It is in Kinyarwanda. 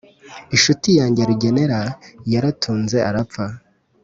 inshuti yanjye rugenera yaratunze arapfa